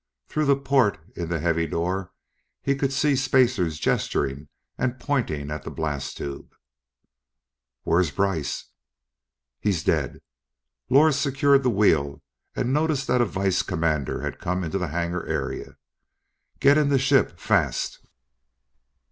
Through the port in the heavy door, he could see spacers gesturing and pointing at the blast tube. "Where's Brice!" "He's dead." Lors secured the wheel and noticed that a Vice commander had come into the hangar area. "Get in the ship! Fast!"